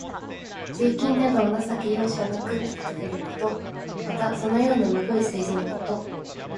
税金などを情け容赦なく取り立てること。また、そのようなむごい政治のこと。